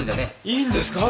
いいんですか？